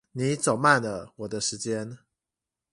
你走慢了我的時間